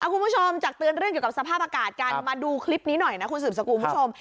คุณผู้ชมจากเตือนเรื่องเกี่ยวกับสภาพอากาศกันมาดูคลิปนี้หน่อยนะคุณสืบสกุลคุณผู้ชม